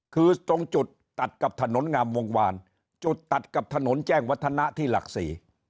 คือตรงจุดตัดกับถนนงามวงวานจุดตัดกับถนนแจ้งวัฒนะที่หลักสี่